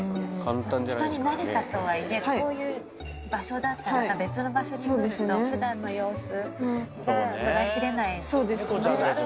人になれたとはいえ、こういう場所だったり、また別の場所に来ると、ふだんの様子がうかがい知れない。